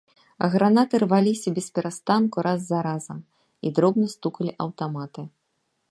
Гранаты рваліся бесперастанку раз за разам, і дробна стукалі аўтаматы.